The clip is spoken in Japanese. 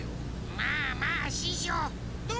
まあまあししょう。